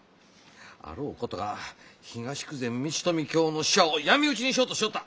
あろうことか東久世通禧の使者を闇討ちにしようとしよった！